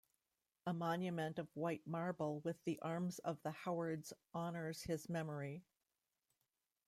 A monument of white marble with the arms of the Howards honours his memory.